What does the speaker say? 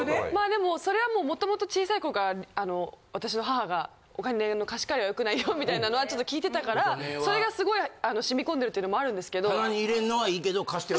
でもそれは元々小さい頃から私の母が「お金の貸し借りは良くないよ」みたいなのは聞いてたからそれがすごいしみ込んでるっていうのもあるんですけど。